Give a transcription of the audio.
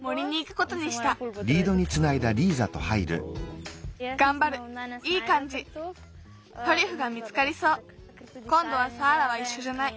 こんどはサーラはいっしょじゃない。